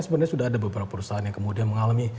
sebenarnya sudah ada beberapa perusahaan yang kemudian mengalami